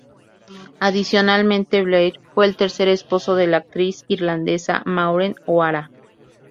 Adicionalmente, Blair fue el tercer esposo de la actriz irlandesa Maureen O'Hara.